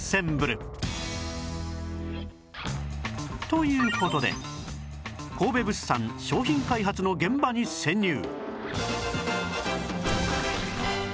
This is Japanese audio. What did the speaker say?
という事で神戸物産商品開発の現場に潜入